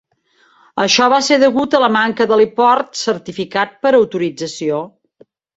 Això va ser degut a la manca d'heliport certificat per autorització.